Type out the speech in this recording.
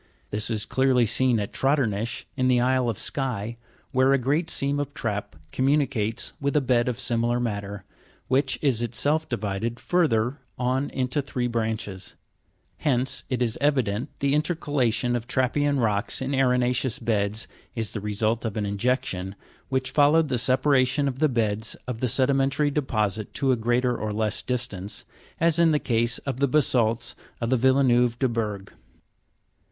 This is clearly seen at Trotternish, in the isle of Sky (Jig. 283), where a great seam of trap commu nicates with a bed of similar matter, which is itself divided further on into three branches. Hence it is evident the intercalation of Fig, 283. Injection of trap into sedimentary rocks. Isle of Sky. . tra'ppean rocks in arena'ceous beds is the result of an injection, which followed the separation of the beds of the sedimentary de posit to a greater or less distance, as in the case of the basa'lts of Villeneuve de Berg (fig.